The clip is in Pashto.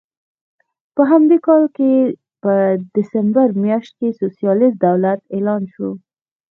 په همدې کال په ډسمبر میاشت کې سوسیالېست دولت اعلان شو.